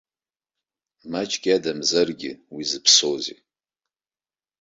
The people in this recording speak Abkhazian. Маҷк иадамзаргьы уи зыԥсоузеи!